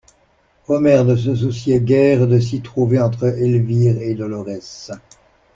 Omer ne se souciait guère de s'y trouver entre Elvire et Dolorès.